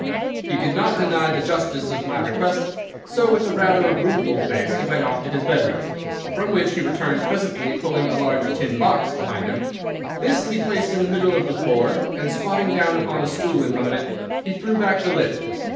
He could not deny the justice of my request, so with a rather rueful face he went off to his bedroom, from which he returned presently pulling a large tin box behind him. This he placed in the middle of the floor and, squatting down upon a stool in front of it, he threw back the lid.